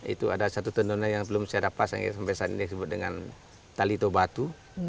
itu ada satu tenun yang belum saya dapat sampai saat ini disebut dengan tali to batu